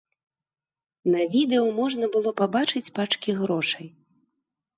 На відэа можна было пабачыць пачкі грошай.